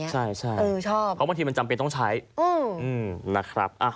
ใช่เพราะบางทีมันจำเป็นต้องใช้นะครับ